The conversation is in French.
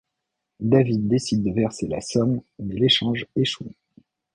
David décide de verser la somme, mais l'échange échoue.